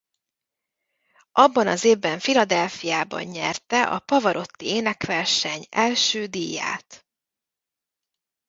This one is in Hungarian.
Abban az évben Philadelphiában megnyerte a Pavarotti Énekverseny első díját.